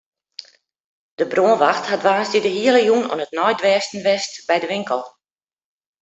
De brânwacht hat woansdei de hiele jûn oan it neidwêsten west by de winkel.